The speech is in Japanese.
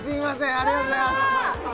ありがとうございます